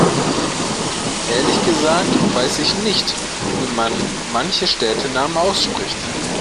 Ehrlich gesagt weiß ich nicht, wie man manche Städtenamen ausspricht.